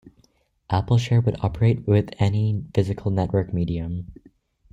AppleShare would operate with any physical network medium.